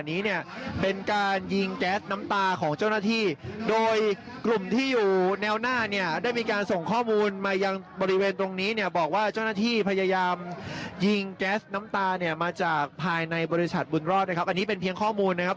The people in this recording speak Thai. อันนี้เนี่ยเป็นการยิงแก๊สน้ำตาของเจ้าหน้าที่โดยกลุ่มที่อยู่แนวหน้าเนี่ยได้มีการส่งข้อมูลมายังบริเวณตรงนี้เนี่ยบอกว่าเจ้าหน้าที่พยายามยิงแก๊สน้ำตาเนี่ยมาจากภายในบริษัทบุญรอดนะครับอันนี้เป็นเพียงข้อมูลนะครับ